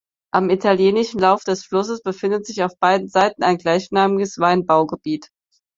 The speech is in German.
Am italienischen Lauf des Flusses befindet sich auf beiden Seiten ein gleichnamiges Weinbaugebiet.